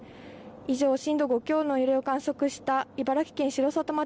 以上、震度５強の揺れを観測した茨城県城里町